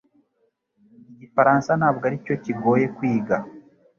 Igifaransa ntabwo aricyo kigoye kwiga